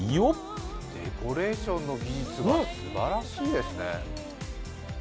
デコレーションの技術がすばらしいですね。